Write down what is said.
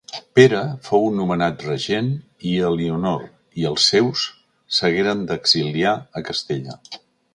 Pere fou nomenat regent i Elionor i els seus s'hagueren d'exiliar a Castella.